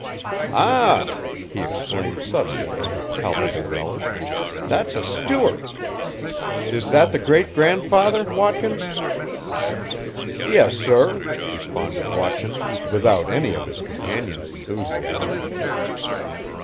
"Ah!" he exclaimed suddenly and with palpable relish, "that's a Stuart! Is that the great grandfather, Watkins?" "Yes, sir," responded Watkins, without any of his companion's enthusiasm.